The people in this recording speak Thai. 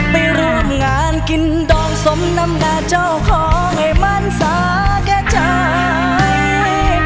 ไปร่วมงานกินดองสมน้ำดาเจ้าขอให้มันสาแก่ใจ